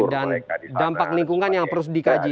dan dampak lingkungan yang harus dikaji